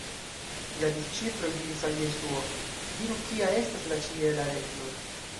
La disĉiploj diris al Jesuo: “Diru kia estas la ĉiela regno”.